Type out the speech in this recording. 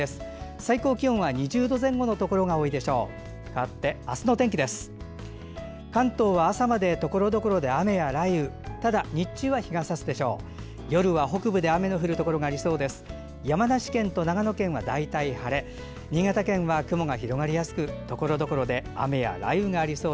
最高気温は２０度前後のところが多いでしょう。